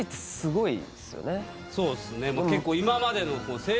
そうっすね